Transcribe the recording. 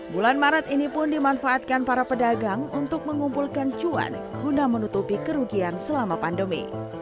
bulan maret ini pun dimanfaatkan para pedagang untuk mengumpulkan cuan guna menutupi kerugian selama pandemi